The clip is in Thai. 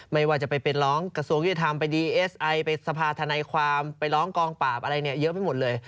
ไม่ว่าจะไปเป็นร้องกระทรวงยุติธรรมไปดีเอสไอไปสภาธนายความไปร้องกองปราบอะไรเนี่ยเยอะไปหมดเลย